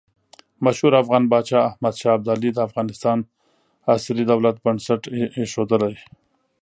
مشهور افغان پاچا احمد شاه ابدالي د افغانستان عصري دولت بنسټ ایښودلی.